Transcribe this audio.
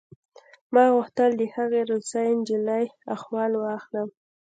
ما غوښتل د هغې روسۍ نجلۍ احوال واخلم